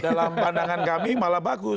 dalam pandangan kami malah bagus